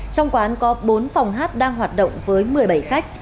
trong quán có bốn phòng hát đang hoạt động với một mươi bảy khách